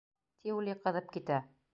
Тиули ҡыҙып китә: